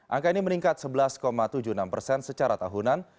angka ini meningkat sebelas tujuh puluh enam persen secara tahunan